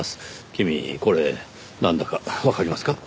君これなんだかわかりますか？